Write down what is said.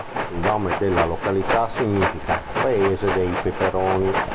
Il nome della località significa "paese dei peperoni".